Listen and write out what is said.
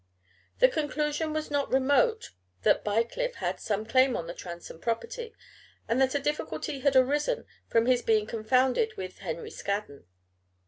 The conclusion was not remote that Bycliffe had had some claim on the Transome property, and that a difficulty had arisen from his being confounded with Henry Scaddon.